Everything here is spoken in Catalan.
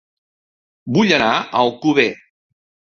Vull anar a Alcover